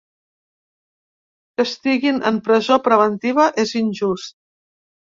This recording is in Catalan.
Que estiguin en presó preventiva és injust.